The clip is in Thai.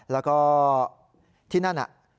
แล้วก็ที่นั่นน่ะ